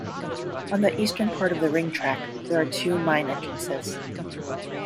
On the eastern part of the Ring Track there are two mine entrances.